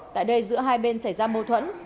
tại đây giữa hai bên xảy ra mâu thuẫn